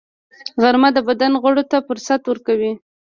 غرمه د بدن غړو ته فرصت ورکوي